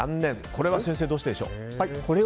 これは先生、どうしてでしょう？